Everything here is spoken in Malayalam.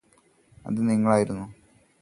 അത് നിങ്ങളായിരുന്നു